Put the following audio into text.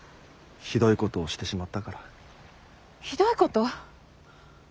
ひどいこと？